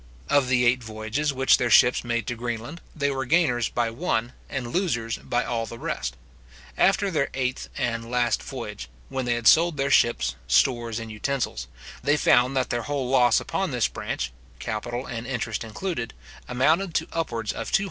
Of the eight voyages which their ships made to Greenland, they were gainers by one, and losers by all the rest. After their eighth and last voyage, when they had sold their ships, stores, and utensils, they found that their whole loss upon this branch, capital and interest included, amounted to upwards of £237,000.